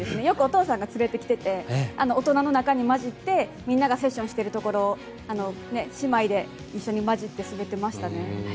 よくお父さんが連れてきてて大人の中に混じって、みんながセッションしているところを姉妹で一緒に交じって滑っていましたね。